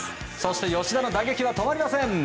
吉田の打撃は止まりません。